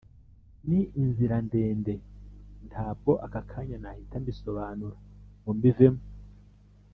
Ni inzira ndende ntabwo aka kanya nahita mbisobanura ngo mbivemo